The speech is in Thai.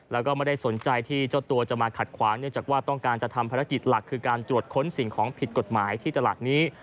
แล้วก็ไม่ได้สนใจที่เจ้าตัวจะมาขัดขวางเนื่องจากว่าต้องการจะทำภารกิจหลักคือการตรวจค้นสิ่งของผิดกฎหมายที่ตลาดนี้